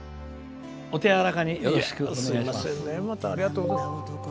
お手柔らかによろしくお願いします。